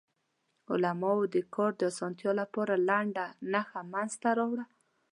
علماوو د کار د اسانتیا لپاره لنډه نښه منځ ته راوړه.